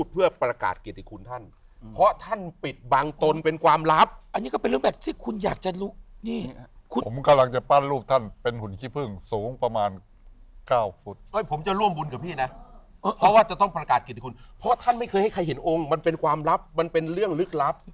เพราะท่านไม่เคยให้ใครเห็นองค์มันเป็นความลับมันเป็นเรื่องลึกลับ